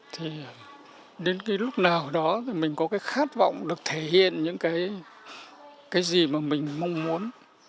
thì đến cái lúc nào đó mình có cái khát vọng được thể hiện những cái gì mà mình mong muốn